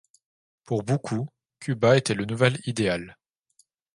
Pour beaucoup, Cuba était le nouvel idéal.